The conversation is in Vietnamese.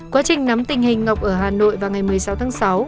quá trình nắm tình hình ngọc ở hà nội vào ngày một mươi sáu tháng sáu